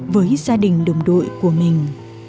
với gia đình đồng đội của mình